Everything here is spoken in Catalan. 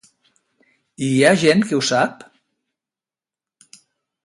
I hi ha gent que ho sap?